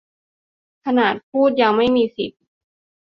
ขนาดพูดยังไม่มีสิทธิ